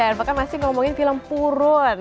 akhir pekan masih ngomongin film purun